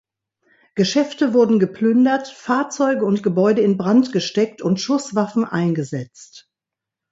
Geschäfte wurden geplündert, Fahrzeuge und Gebäude in Brand gesteckt und Schusswaffen eingesetzt.